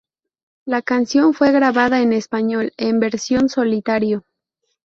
La canción fue grabada en español, en versión solitario.